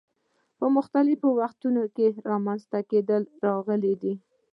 په مختلفو وختونو کې منځته راغلي دي.